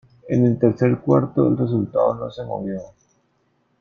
En el tercer cuarto el resultado no se movió.